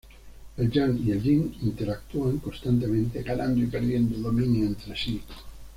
El yang y el yin interactúan constantemente, ganando y perdiendo dominio entre sí.